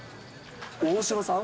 大城さん？